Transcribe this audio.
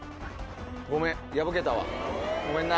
ごめん破けたわごめんな。